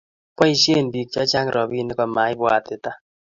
boisien biik chechang' robinik ko ma ibwatita